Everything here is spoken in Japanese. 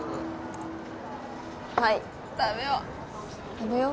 はい食べよう